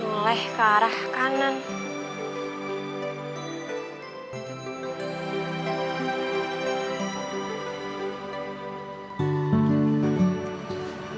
mulai ke arah kanan